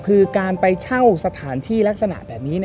คือการไปเช่าสถานที่ลักษณะแบบนี้